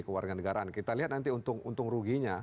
kewarganegaraan kita lihat nanti untung untung ruginya